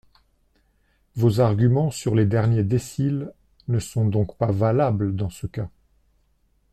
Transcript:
Vos arguments sur les derniers déciles ne sont donc pas valables dans ce cas.